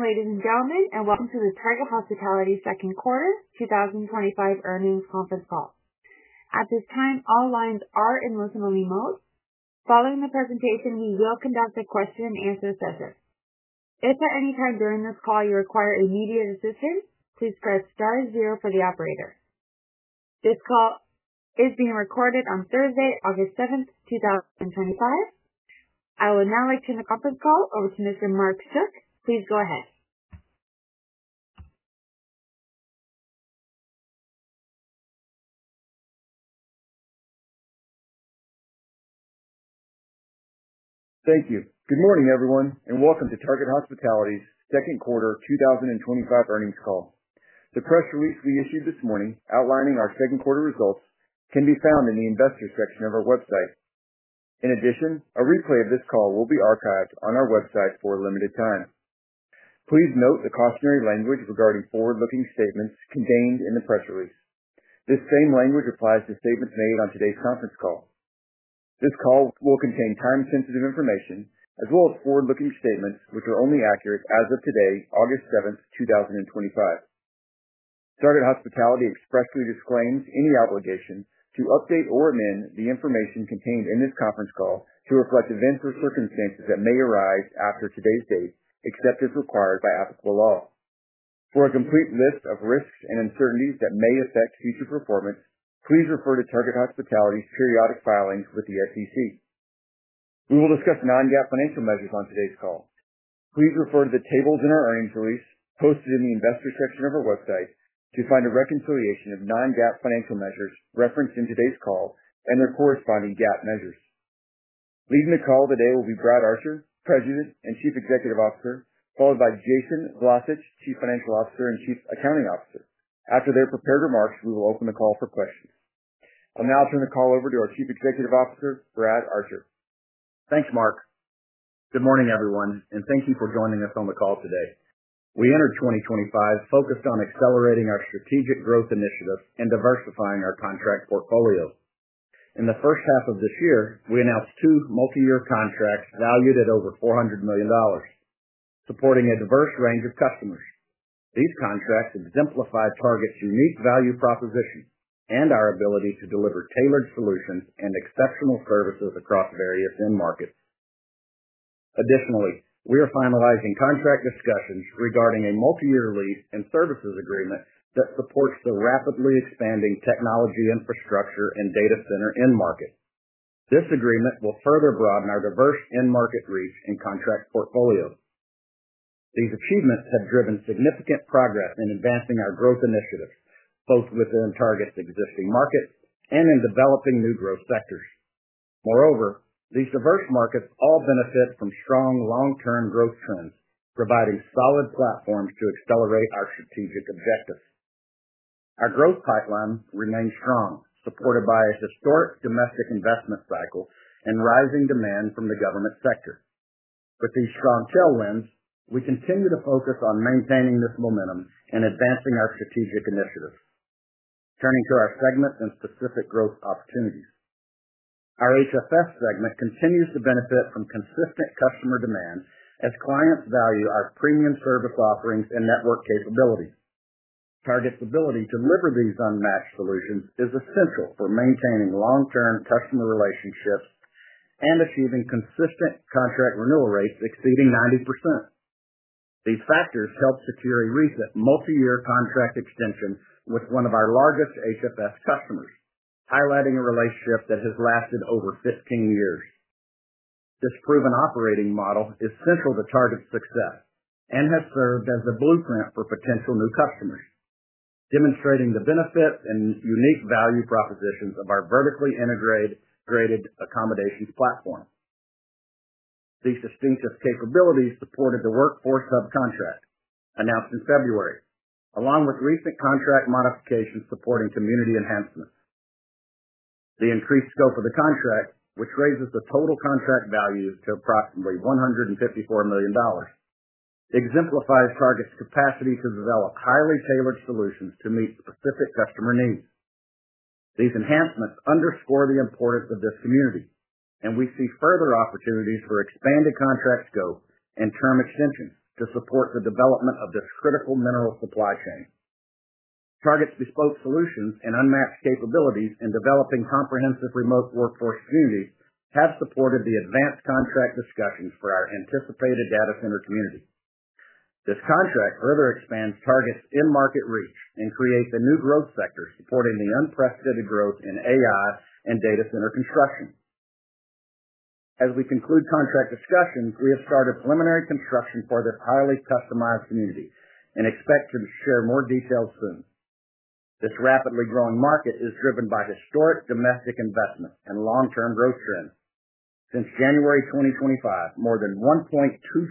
Ladies and gentlemen, welcome to the Target Hospitality Second Quarter 2025 Earnings Conference Call. At this time, all lines are in listening mode. Following the presentation, we will conduct a question and answer session. If at any time during this call you require immediate assistance, please press star zero for the operator. This call is being recorded on Thursday, August 7th, 2025. I would now like to turn the conference call over to Mr. Mark Schuck. Please go ahead. Thank you. Good morning, everyone, and welcome to Target Hospitality's Second Quarter 2025 Earnings Call. The press release we issued this morning outlining our second quarter results can be found in the investor section of our website. In addition, a replay of this call will be archived on our website for a limited time. Please note the cautionary language regarding forward-looking statements contained in the press release. This same language applies to statements made on today's conference call. This call will contain time-sensitive information as well as forward-looking statements, which are only accurate as of today, August 7th, 2025. Target Hospitality expressly disclaims any obligation to update or amend the information contained in this conference call to reflect events or circumstances that may arise after today's date, except as required by applicable law. For a complete list of risks and uncertainties that may affect future performance, please refer to Target Hospitality's periodic filings with the SEC. We will discuss non-GAAP financial measures on today's call. Please refer to the tables in our earnings release posted in the investor section of our website to find a reconciliation of non-GAAP financial measures referenced in today's call and their corresponding GAAP measures. Leading the call today will be Brad Archer, President and Chief Executive Officer, followed by Jason Vlacich, Chief Financial Officer and Chief Accounting Officer. After their prepared remarks, we will open the call for questions. I'll now turn the call over to our Chief Executive Officer, Brad Archer. Thanks, Mark. Good morning, everyone, and thank you for joining us on the call today. We entered 2025 focused on accelerating our strategic growth initiative and diversifying our contract portfolio. In the first half of this year, we announced two multi-year contracts valued at over $400 million, supporting a diverse range of customers. These contracts exemplify Target's unique value proposition and our ability to deliver tailored solutions and exceptional services across various end markets. Additionally, we are finalizing contract discussions regarding a multi-year lease and services agreement that supports the rapidly expanding technology infrastructure and data center end market. This agreement will further broaden our diverse end market reach and contract portfolio. These achievements have driven significant progress in advancing our growth initiatives, both within Target's existing markets and in developing new growth sectors. Moreover, these diverse markets all benefit from strong long-term growth trends, providing solid platforms to accelerate our strategic objectives. Our growth pipeline remains strong, supported by a historic domestic investment cycle and rising demand from the government segment. With these strong tailwinds, we continue to focus on maintaining this momentum and advancing our strategic initiatives. Turning to our segment and specific growth opportunities. Our HFS segment continues to benefit from consistent customer demand as clients value our premium service offerings and network capabilities. Target Hospitality's ability to deliver these unmatched solutions is essential for maintaining long-term customer relationships and achieving consistent contract renewal rates exceeding 90%. These factors help secure a recent multi-year contract extension with one of our largest HFS customers, highlighting a relationship that has lasted over 15 years. This proven operating model is central to Target Hospitality's success and has served as a blueprint for potential new customers, demonstrating the benefit and unique value propositions of our vertically integrated accommodations platform. These distinctive capabilities supported the workforce subcontract announced in February, along with recent contract modifications supporting community enhancements. The increased scope of the contract, which raises the total contract values to approximately $154 million, exemplifies Target's capacity to develop highly tailored solutions to meet specific customer needs. These enhancements underscore the importance of this community, and we see further opportunities for expanded contract scope and term extensions to support the development of this critical mineral supply chain. Target's bespoke solutions and unmatched capabilities in developing comprehensive remote workforce communities have supported the advanced contract discussions for our anticipated data center community. This contract further expands Target Hospitality's end market reach and creates a new growth sector supporting the unprecedented growth in AI and data center construction. As we conclude contract discussions, we have started preliminary construction for this highly customized community and expect to share more details soon. This rapidly growing market is driven by historic domestic investment and long-term growth trends. Since January 2025, more than $1.2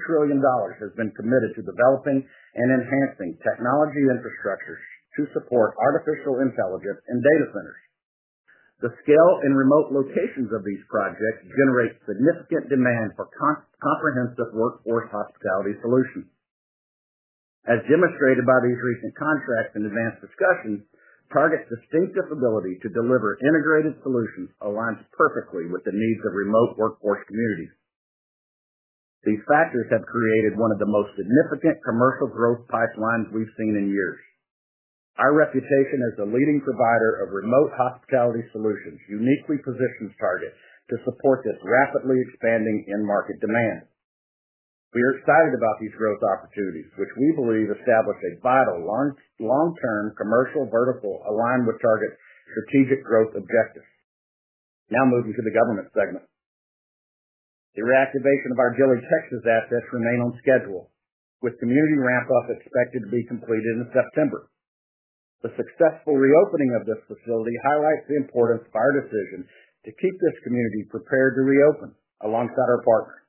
trillion has been committed to developing and enhancing technology infrastructures to support artificial intelligence and data centers. The scale and remote locations of these projects generate significant demand for comprehensive workforce hospitality solutions. As demonstrated by these recent contracts and advanced discussions, Target's distinctive ability to deliver integrated solutions aligns perfectly with the needs of remote workforce communities. These factors have created one of the most significant commercial growth pipelines we've seen in years. Our reputation as the leading provider of remote hospitality solutions uniquely positions Target to support this rapidly expanding end market demand. We are excited about these growth opportunities, which we believe establish a vital long-term commercial vertical aligned with Target's strategic growth objectives. Now moving to the government segment. The reactivation of our Dilly, Texas, assets remains on schedule, with community ramp-up expected to be completed in September. The successful reopening of this facility highlights the importance of our decision to keep this community prepared to reopen alongside our partners.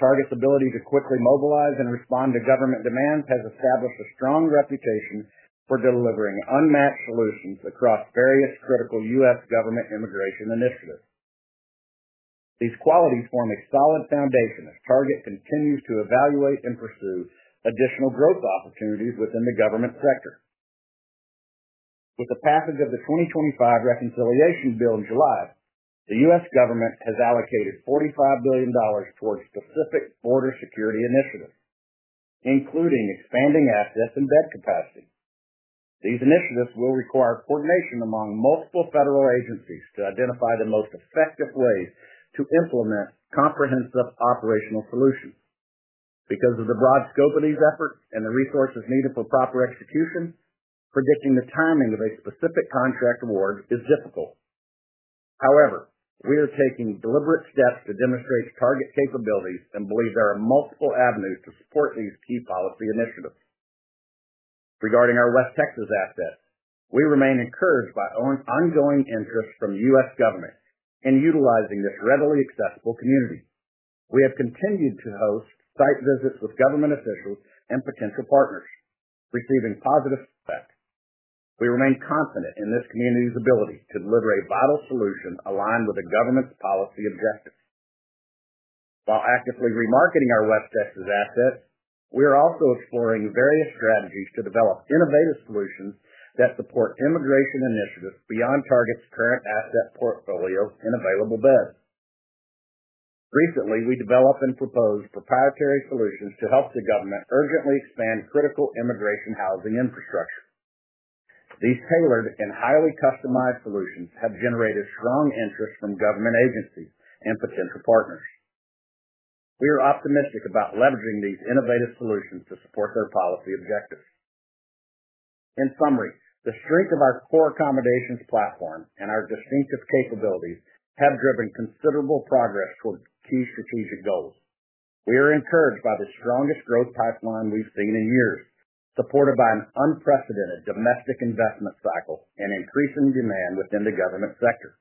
Target's ability to quickly mobilize and respond to government demands has established a strong reputation for delivering unmatched solutions across various critical U.S. government immigration initiatives. These qualities form a solid foundation as Target continues to evaluate and pursue additional growth opportunities within the government sector. With the passage of the 2025 reconciliation bill in July, the U.S. government has allocated $45 billion towards specific border security initiatives, including expanding assets and bed capacity. These initiatives will require coordination among multiple federal agencies to identify the most effective ways to implement comprehensive operational solutions. Because of the broad scope of these efforts and the resources needed for proper execution, predicting the timing of a specific contract award is difficult. However, we are taking deliberate steps to demonstrate Target's capabilities and believe there are multiple avenues to support these key policy initiatives. Regarding our West Texas assets, we remain encouraged by ongoing interest from the U.S. government in utilizing this readily accessible community. We have continued to host site visits with government officials and potential partners, receiving positive feedback. We remain confident in this community's ability to deliver a vital solution aligned with the government's policy objectives. While actively remarketing our West Texas assets, we are also exploring various strategies to develop innovative solutions that support immigration initiatives beyond Target's current asset portfolio and available beds. Recently, we developed and proposed proprietary solutions to help the government urgently expand critical immigration housing infrastructure. These tailored and highly customized solutions have generated strong interest from government agencies and potential partners. We are optimistic about leveraging these innovative solutions to support their policy objectives. In summary, the strength of our core accommodations platform and our distinctive capabilities have driven considerable progress towards key strategic goals. We are encouraged by the strongest growth pipeline we've seen in years, supported by an unprecedented domestic investment cycle and increasing demand within the government segment.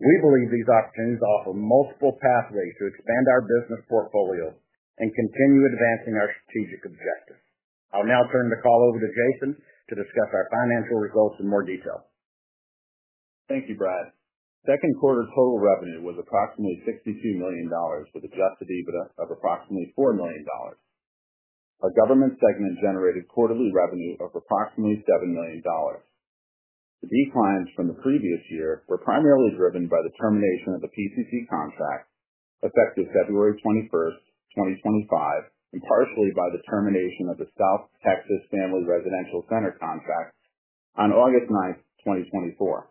We believe these opportunities offer multiple pathways to expand our business portfolio and continue advancing our strategic objectives. I'll now turn the call over to Jason to discuss our financial results in more detail. Thank you, Brad. Second quarter's total revenue was approximately $62 million, with adjusted EBITDA of approximately $4 million. Our government segment generated quarterly revenue of approximately $7 million. The declines from the previous year were primarily driven by the termination of the PCC contract effective February 21, 2025, and partially by the termination of the South Texas Family Residential Center contract on August 9, 2024.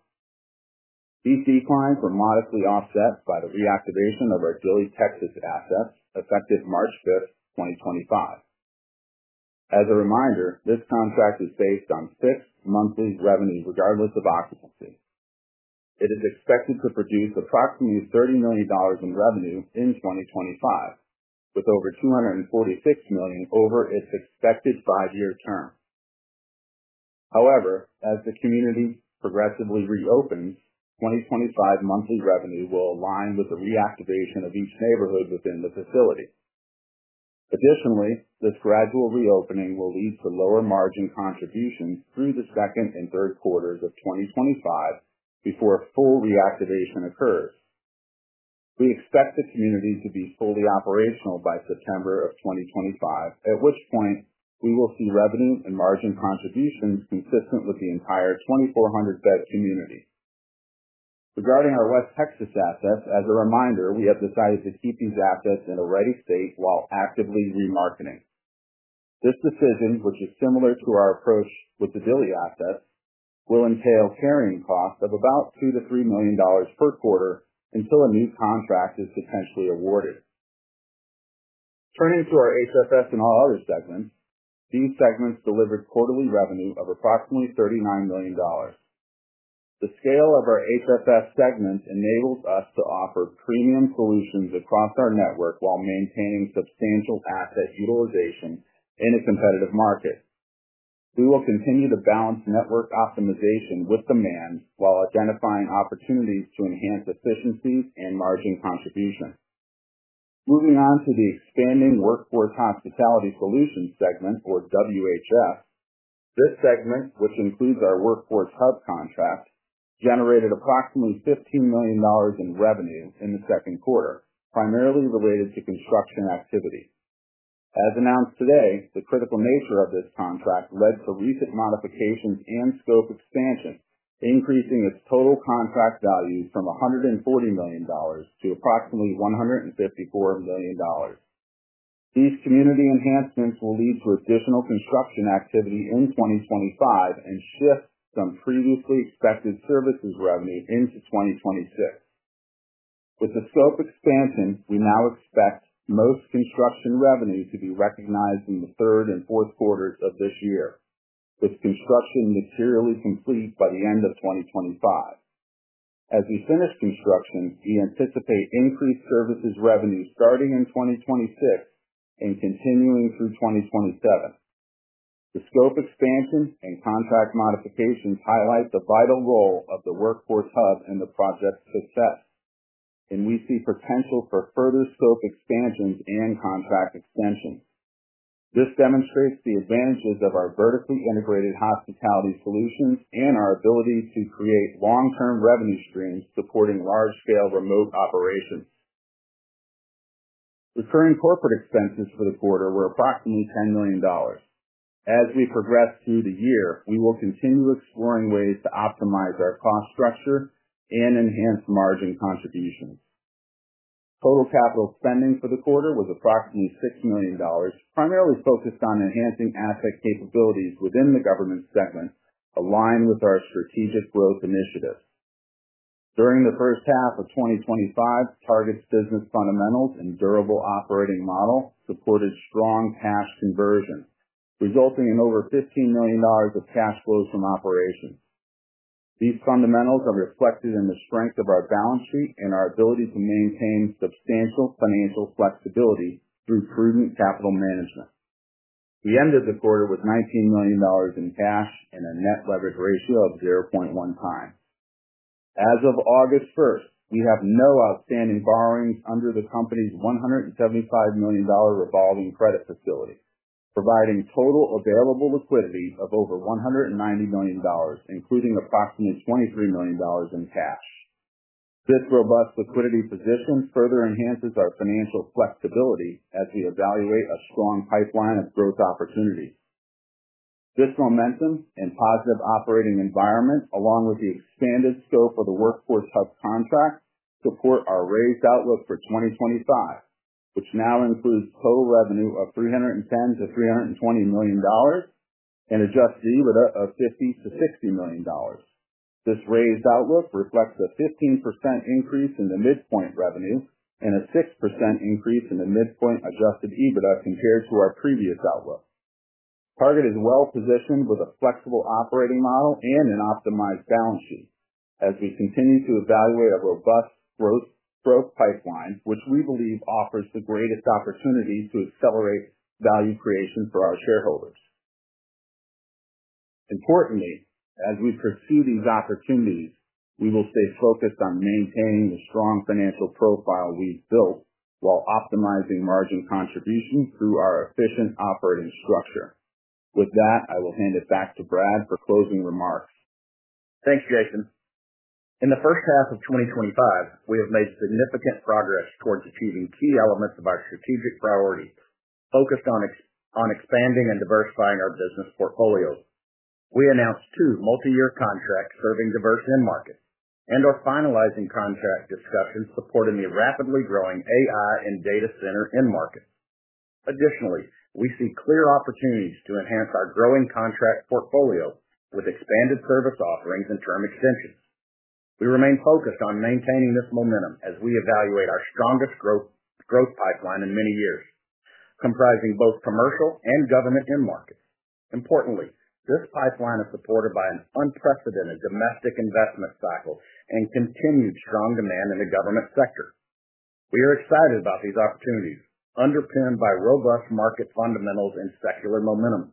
These declines were modestly offset by the reactivation of our Dilly, Texas assets effective March 5, 2025. As a reminder, this contract is based on fixed monthly revenue regardless of occupancy. It is expected to produce approximately $30 million in revenue in 2025, with over $246 million over its expected five-year term. However, as this community progressively reopens, 2025 monthly revenue will align with the reactivation of each neighborhood within the facility. Additionally, this gradual reopening will lead to lower margin contributions through the second and third quarters of 2025 before full reactivation occurs. We expect the community to be fully operational by September 2025, at which point we will see revenue and margin contributions consistent with the entire 2,400-bed community. Regarding our West Texas assets, as a reminder, we have decided to keep these assets in a ready state while actively remarketing. This decision, which is similar to our approach with the Dilly assets, will entail carrying costs of about $2 million-$3 million per quarter until a new contract is potentially awarded. Turning to our HFS and All Other segments, these segments delivered quarterly revenue of approximately $39 million. The scale of our HFS segments enables us to offer premium solutions across our network while maintaining substantial asset utilization in a competitive market. We will continue to balance network optimization with demand while identifying opportunities to enhance efficiency and margin contribution. Moving on to the expanding Workforce Hospitality Solutions segment, or WHS, this segment, which includes our Workforce Hub contract, generated approximately $15 million in revenue in the second quarter, primarily related to construction activity. As announced today, the critical nature of this contract led to recent modifications and scope expansions, increasing its total contract values from $140 million to approximately $154 million. These community enhancements will lead to additional construction activity in 2025 and shift from previously expected services revenue into 2026. With the scope expansion, we now expect most construction revenue to be recognized in the third and fourth quarters of this year, with construction materially complete by the end of 2025. As we finish construction, we anticipate increased services revenue starting in 2026 and continuing through 2027. The scope expansion and contract modifications highlight the vital role of the Workforce Hub in the project's success, and we see potential for further scope expansions and contract extensions. This demonstrates the advantages of our vertically integrated hospitality solutions and our ability to create long-term revenue streams supporting large-scale remote operations. Recurring corporate expenses for the quarter were approximately $10 million. As we progress through the year, we will continue exploring ways to optimize our cost structure and enhance margin contributions. Total capital spending for the quarter was approximately $6 million, primarily focused on enhancing asset capabilities within the government segment aligned with our strategic growth initiatives. During the first half of 2025, Target Hospitality's business fundamentals and durable operating model supported strong cash conversion, resulting in over $15 million of cash flows from operations. These fundamentals are reflected in the strength of our balance sheet and our ability to maintain substantial financial flexibility through prudent capital management. The end of the quarter was $19 million in cash and a net leverage ratio of 0.1x. As of August 1st, we have no outstanding borrowings under the company's $175 million revolving credit facility, providing total available liquidity of over $190 million, including approximately $23 million in cash. This robust liquidity position further enhances our financial flexibility as we evaluate a strong pipeline of growth opportunities. This momentum and positive operating environment, along with the expanded scope of the Workforce Hub contract, support our raised outlook for 2025, which now includes total revenue of $310-$320 million and adjusted EBITDA of $50-$60 million. This raised outlook reflects a 15% increase in the midpoint revenue and a 6% increase in the midpoint adjusted EBITDA compared to our previous outlook. Target is well-positioned with a flexible operating model and an optimized balance sheet as we continue to evaluate our robust growth pipelines, which we believe offers the greatest opportunities to accelerate value creation for our shareholders. Importantly, as we pursue these opportunities, we will stay focused on maintaining the strong financial profile we've built while optimizing margin contributions through our efficient operating structure. With that, I will hand it back to Brad for closing remarks. Thank you, Jason. In the first half of 2025, we have made significant progress towards achieving key elements of our strategic priorities, focused on expanding and diversifying our business portfolio. We announced two multi-year contracts serving diverse end markets and are finalizing contract discussions supporting the rapidly growing AI and data center end market. Additionally, we see clear opportunities to enhance our growing contract portfolio with expanded service offerings and term extensions. We remain focused on maintaining this momentum as we evaluate our strongest growth pipeline in many years, comprising both commercial and government end markets. Importantly, this pipeline is supported by an unprecedented domestic investment cycle and continued strong demand in the government sector. We are excited about these opportunities, underpinned by robust market fundamentals and secular momentum.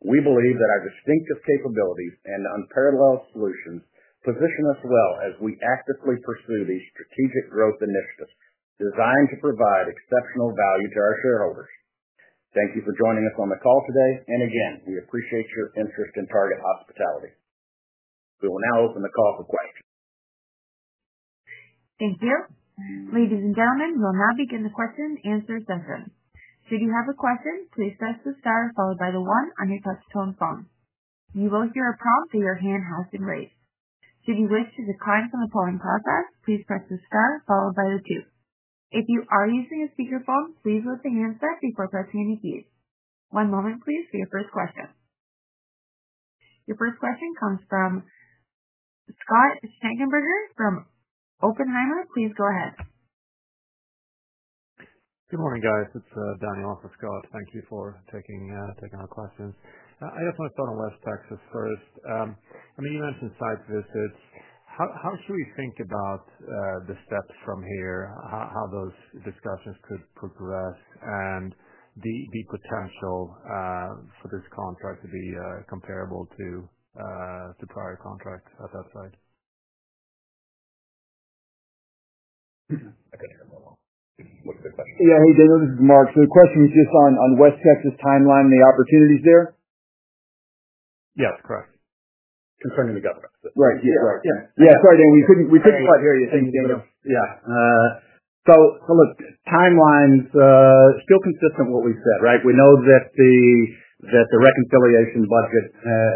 We believe that our distinctive capabilities and unparalleled solutions position us well as we actively pursue these strategic growth initiatives designed to provide exceptional value to our shareholders. Thank you for joining us on the call today, and again, we appreciate your interest in Target Hospitality. We will now open the call for questions. Thank you. Ladies and gentlemen, we'll now begin the question and answer session. Should you have a question, please press the star followed by the one on your touch-tone phone. You will hear a prompt for your hand held and raised. Should you wish to decline from the polling process, please press the star followed by the two. If you are using a speakerphone, please raise your hand first before pressing any keys. One moment, please, for your first question. Your first question comes from Scott Schneeberger from Oppenheimer. Please go ahead. Good morning, guys. It's Daniel on for Scott. Thank you for taking our question. I just want to start on West Texas first. You mentioned site visits. How should we think about the steps from here, how those discussions could progress, and the potential for this contract to be comparable to the prior contract at that site? I think that was Mark. The question was just on West Texas timeline and the opportunities there? Yes, correct. Concerning the government. Right. Yeah, correct. We couldn't quite hear you. Thank you, Daniel. From the timeline, still consistent with what we said, right? We know that the reconciliation bill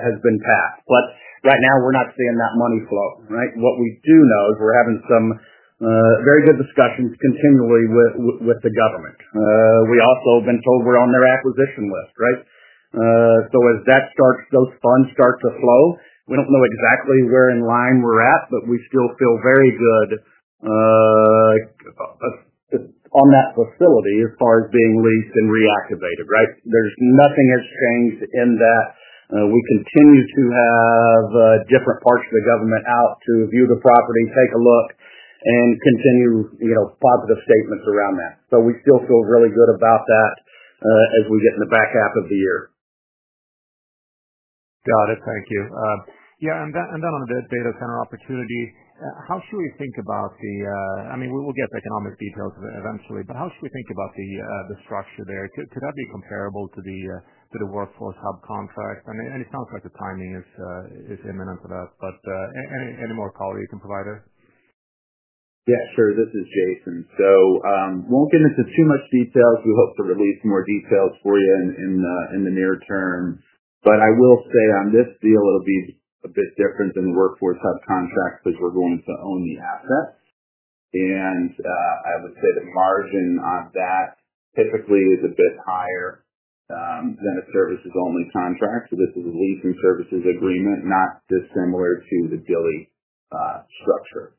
has been passed, but right now we're not seeing that money flow, right? What we do know is we're having some very good discussions continually with the government. We also have been told we're on their acquisition list, right? As those funds start to flow, we don't know exactly where in line we're at, but we still feel very good on that facility as far as being leased and reactivated, right? There's nothing that's changed in that. We continue to have different parts of the government out to view the property, take a look, and continue positive statements around that. We still feel really good about that as we get in the back half of the year. Got it. Thank you. On the data center opportunity, how should we think about the—I mean, we'll get the economic details eventually, but how should we think about the structure there? Could that be comparable to the Workforce Hub contract? It sounds like the timing is imminent to that, but any more color you can provide there? Yeah, sure. This is Jason. We won't get into too much detail because we hope to release more details for you in the near term. I will say on this deal, it'll be a bit different than the Workforce Hub contract because we're going to own the assets. I would say the margin on that typically is a bit higher than a services-only contract. This is a lease and services agreement, not dissimilar to the Dilly structure.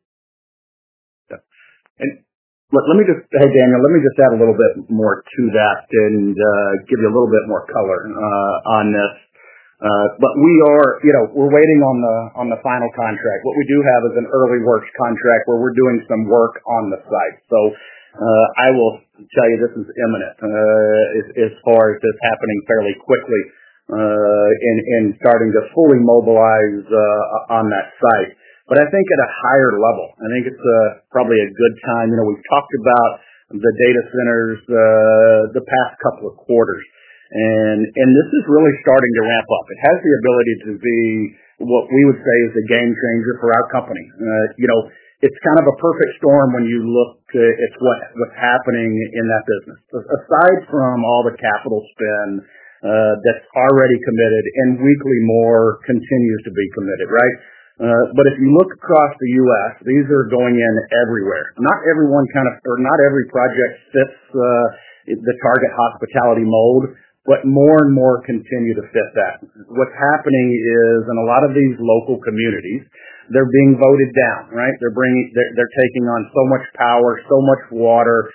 Let me just add a little bit more to that and give you a little bit more color on this. We are waiting on the final contract. What we do have is an early works contract where we're doing some work on the site. I will tell you this is imminent. It's happening fairly quickly in starting to fully mobilize on that site. I think at a higher level, it's probably a good time. You know, we've talked about the data center end market the past couple of quarters, and this is really starting to ramp up. It has the ability to be what we would say is a game changer for our company. It's kind of a perfect storm when you look to what's happening in that business. Aside from all the capital spend that's already committed and weekly more continues to be committed, right? If you look across the U.S., these are going in everywhere. Not everyone or not every project fits the Target Hospitality mold, but more and more continue to fit that. What's happening is, in a lot of these local communities, they're being voted down, right? They're taking on so much power, so much water.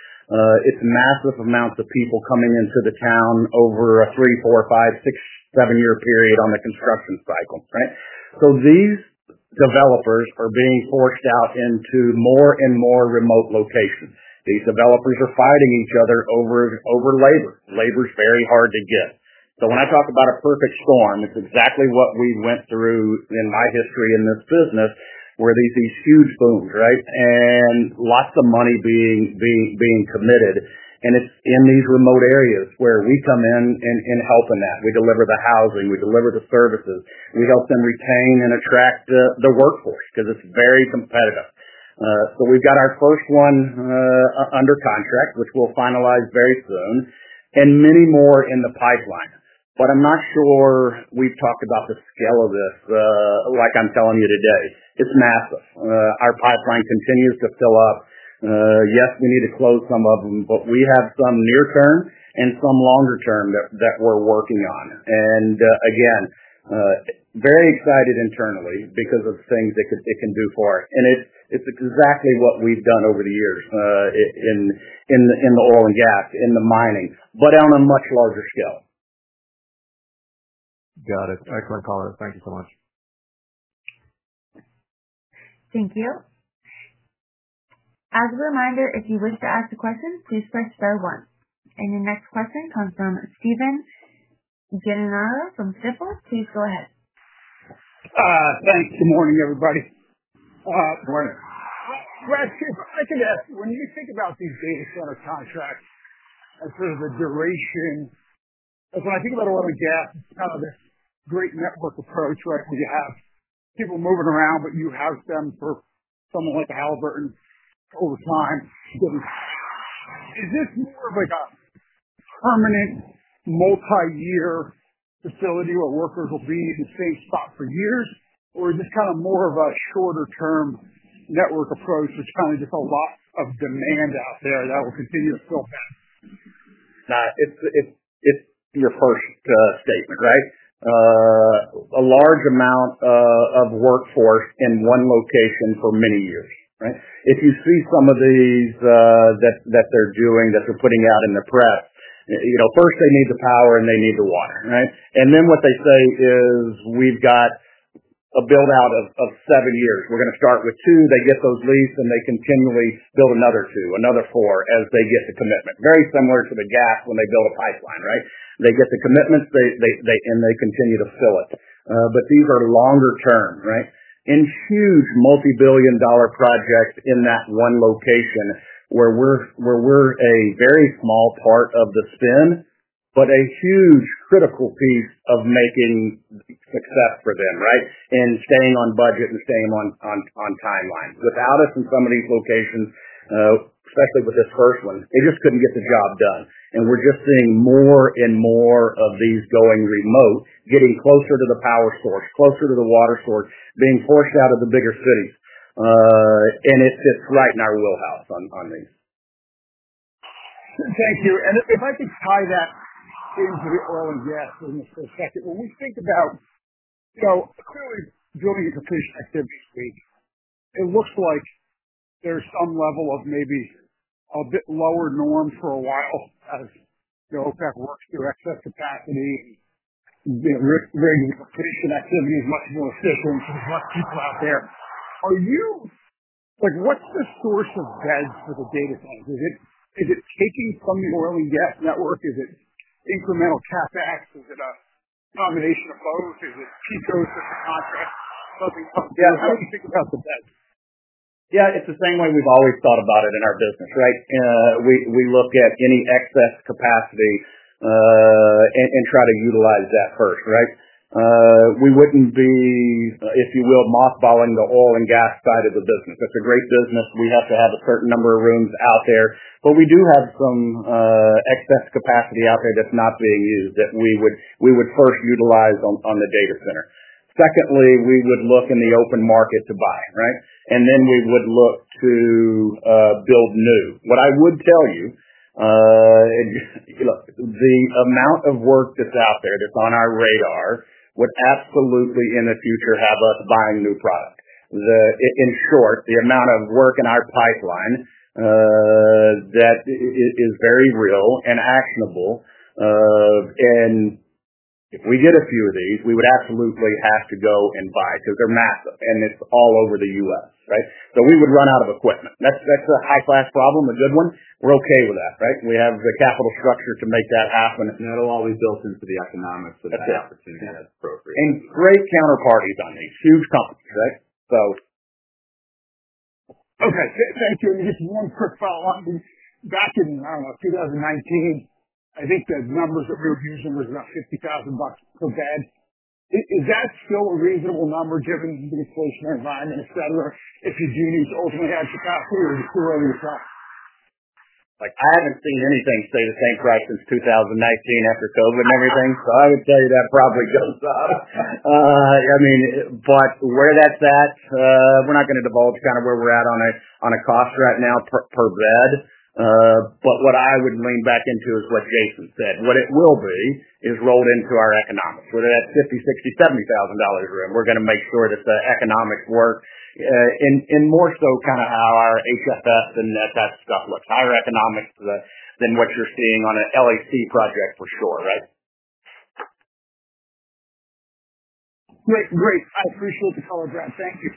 It's massive amounts of people coming into the town over a three, four, five, six, seven-year period on the construction cycle, right? These developers are being forced out into more and more remote locations. These developers are fighting each other over labor. Labor is very hard to get. When I talk about a perfect storm, it's exactly what we went through in my history in this business, where these huge booms, right, and lots of money being committed. It's in these remote areas where we come in and help in that. We deliver the housing. We deliver the services. We help them retain and attract the workforce because it's very competitive. We've got our first one under contract, which we'll finalize very soon, and many more in the pipeline. I'm not sure we've talked about the scale of this like I'm telling you today. It's massive. Our pipeline continues to fill up. Yes, we need to close some of them, but we have some near-term and some longer-term that we're working on. We are very excited internally because of the things it can do for us. It's exactly what we've done over the years in the oil and gas, in the mining, but on a much larger scale. Got it. Excellent color. Thank you so much. Thank you. As a reminder, if you wish to ask a question, please press star one. Your next question comes from Stephen Gengaro from Stifel. Please go ahead. Thanks. Good morning, everybody. Morning. When you think about these things on a contract, in terms of duration, I think about oil and gas. It's kind of this great network approach, right? You have people moving around, but you have them for someone like Halliburton all the time. Is this sort of like a permanent multi-year facility where workers will be in the same spot for years, or is it kind of more of a shorter-term network approach, which probably just has a lot of demand out there that will continue to fill that? It's your first statement, right? A large amount of workforce in one location for many years, right? If you see some of these that they're doing, that they're putting out in the press, first they need the power and they need the water, right? Then what they say is we've got a build-out of seven years. We're going to start with two. They get those leased and they continually build another two, another four as they get the commitment. Very similar to the gas when they build a pipeline, right? They get the commitments and they continue to fill it. These are longer-term, right? Huge multi-billion dollar projects in that one location where we're a very small part of the spend, but a huge critical piece of making success for them, right? Staying on budget and staying on timeline. Without us in some of these locations, especially with this first one, they just couldn't get the job done. We're just seeing more and more of these going remote, getting closer to the power source, closer to the water source, being forced out of the bigger cities. It's just right in our wheelhouse on these. Thank you. If I could tie that into the oil and gas business for a second, when we think about drilling into police activity, it looks like there's some level of maybe a bit lower norms for a while as you know people with fewer access capacity and the range of police activity is much more stable in terms of people out there. Are you, what's the source of beds for the data center end market? Is it sticking from the oil and gas network? Is it incremental CapEx? Is it a combination of both? Is it TCOs to the contract, something else? How do you think about the beds? Yeah, it's the same way we've always thought about it in our business, right? We look at any excess capacity and try to utilize that first, right? We wouldn't be, if you will, mothballing the oil and gas side of the business. It's a great business. We have to have a certain number of rooms out there. We do have some excess capacity out there that's not being used that we would first utilize on the data center. Secondly, we would look in the open market to buy, right? Then we would look to build new. What I would tell you, the amount of work that's out there that's on our radar would absolutely in the future have us buying new product. In short, the amount of work in our pipeline, that is very real and actionable. If we get a few of these, we would absolutely have to go and buy because they're massive and it's all over the U.S., right? We would run out of equipment. That's a high-class problem, a good one. We're okay with that, right? We have the capital structure to make that happen, and that'll all be built into the economics and the opportunity as appropriate. Great counterparties on these, huge companies, right? Okay. Thank you. Just one quick follow-up. Back in, I don't know, 2019, I think the numbers that we were using were about $50,000 per bed. Is that still a reasonable number given the inflation environment, etc., if you're using it to ultimately add capacity or is it too early to try? I haven't seen anything stay the same price since 2019 after COVID and everything. I would tell you that probably goes up. Where that's at, we're not going to divulge kind of where we're at on a cost right now per bed. What I would lean back into is what Jason said. What it will be is rolled into our economics. Whether that's $50,000, $60,000, $70,000 a room, we're going to make sure that the economics work, and more so kind of how our HFS and that stuff looks, higher economics than what you're seeing on an LAC project for sure, right? Great. I appreciate the call, Brad. Thank you.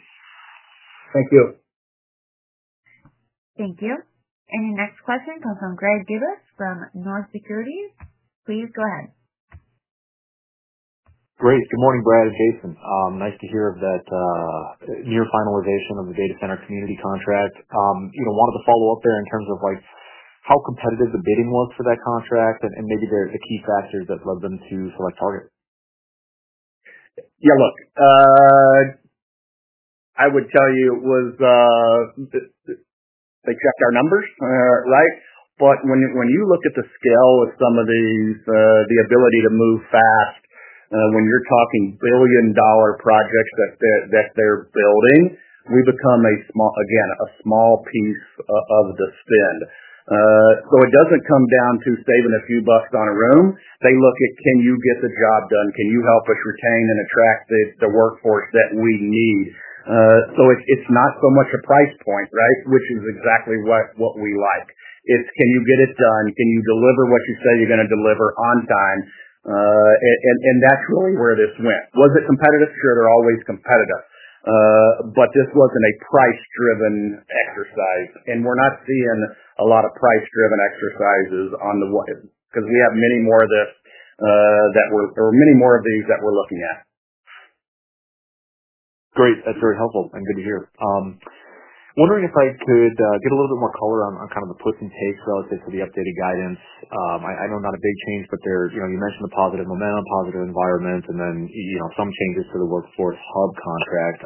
Thank you. Thank you. Your next question comes from Greg Gibas from Northland Securities. Please go ahead. Great. Good morning, Brad and Jason. Nice to hear of that near finalization of the data center community contract. I wanted to follow up there in terms of how competitive the bidding was for that contract and maybe the key factors that led them to select Target Hospitality. Yeah, look, I would tell you it was except our numbers, right? When you look at the scale of some of these, the ability to move fast, when you're talking $1 billion projects that they're building, we become a small, again, a small piece of the spend. It doesn't come down to saving a few bucks on a room. They look at, can you get the job done? Can you help us retain and attract the workforce that we need? It's not so much a price point, right, which is exactly what we like. It's, can you get it done? Can you deliver what you say you're going to deliver on time? That's really where this went. Was it competitive? Sure, they're always competitive. This wasn't a price-driven exercise. We're not seeing a lot of price-driven exercises on the one because we have many more of these that we're looking at. Great. That's very helpful and good to hear. Wondering if I could get a little bit more color on kind of the pushing case relative to the updated guidance. I know not a big change, but you mentioned the positive momentum, positive environment, and then some changes to the Workforce Hub contract.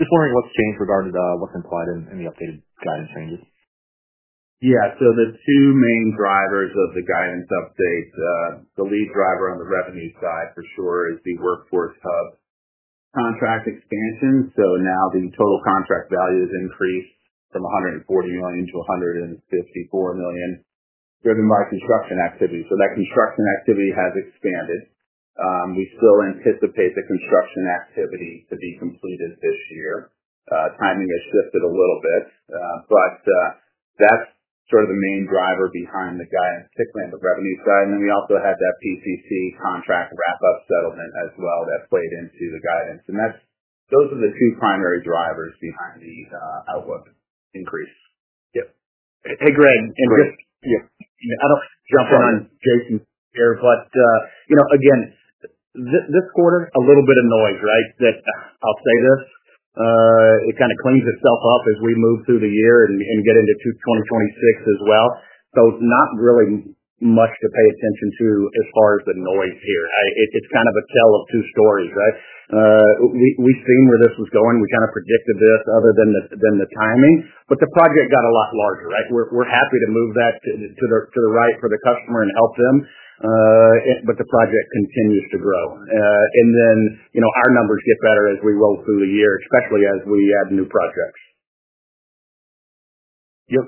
Just wondering what's changed regarding what's implied in the updated guidance changes. Yeah. The two main drivers of the guidance updates, the lead driver on the revenue side for sure is the Workforce Hub contract expansion. Now the total contract value has increased from $140 million-$154 million, driven by construction activity. That construction activity has expanded. We still anticipate the construction activity to be completed this year. Timing has shifted a little bit. That is the main driver behind the guidance, particularly on the revenue side. We also had that PCC contract wrap-up settlement as well that played into the guidance. Those are the two primary drivers, the outlook increase. Yep. Hey, Greg. Hey, Brad. Yeah. I don't jump in on Jason here, but you know, again, this quarter, a little bit of noise, right? I'll say this. It kind of cleans itself up as we move through the year and get into 2026 as well. It's not really much to pay attention to as far as the noise here. It's kind of a tale of two stories, right? We've seen where this is going. We kind of predicted this other than the timing. The project got a lot larger, right? We're happy to move that to the right for the customer and help them. The project continues to grow, and you know our numbers get better as we roll through the year, especially as we add new projects.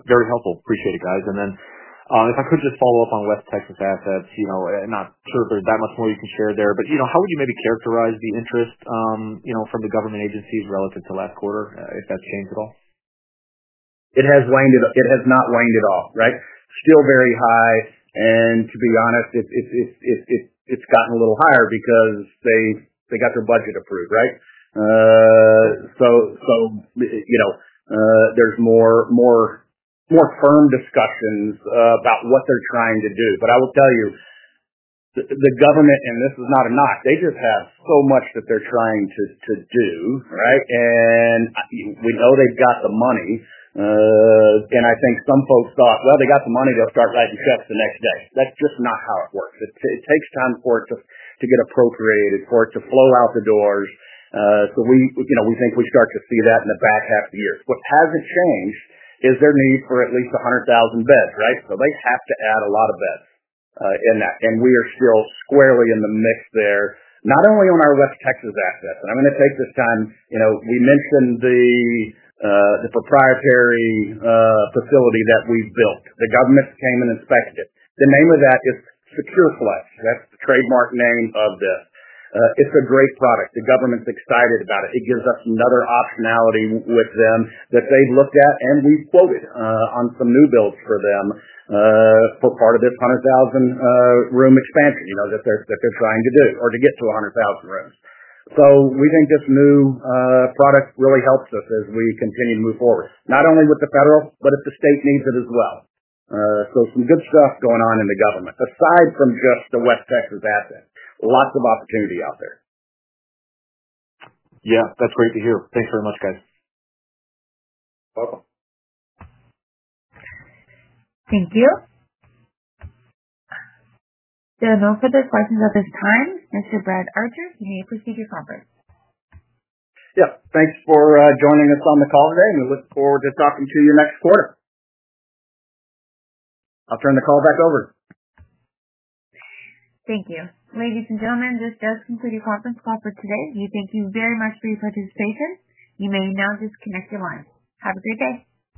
Very helpful. Appreciate it, guys. If I could just follow up on West Texas assets, and not sure if there's that much more you can share there, but how would you maybe characterize the interest from the government agencies relative to last quarter, if that's changed at all? It has not waned at all, right? Still very high. To be honest, it's gotten a little higher because they got their budget approved, right? You know there's more firm discussions about what they're trying to do. I will tell you, the government, and this is not a knock, they just have so much that they're trying to do, right? We know they've got the money. I think some folks thought, well, they got the money, they'll start writing checks the next day. That's just not how it works. It takes time for it to get appropriated, for it to flow out the doors. We think we start to see that in the back half of the year. What hasn't changed is their need for at least 100,000 beds, right? They have to add a lot of beds in that. We are still squarely in the midst there, not only on our West Texas assets, but I'm going to take this time. You mentioned the proprietary facility that we've built. The government's came and inspected it. The name of that is SecureFlex. That's the trademark name of this. It's a great product. The government's excited about it. It gives us another optionality with them that they've looked at and we've quoted on some new builds for them for part of this 100,000 room expansion you know that they're trying to do or to get to 100,000 rooms. We think this new product really helps us as we continue to move forward, not only with the federal, but if the state needs it as well. Some good stuff going on in the government, aside from just the West Texas asset, lots of opportunity out there. Yeah, that's great to hear. Thanks very much, guys. Thank you. There are no further questions at this time. Mr. Brad Archer, may you please take your conference? Yeah, thanks for joining us on the call today, and we look forward to talking to you next quarter. I'll turn the call back over. Thank you. Ladies and gentlemen, this does conclude your conference call for today. We thank you very much for your participation. You may now disconnect your line. Have a great day.